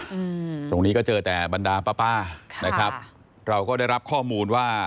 อืมตรงนี้ก็เจอแต่บรรดาป้าป้าค่ะนะครับเราก็ได้รับข้อมูลว่า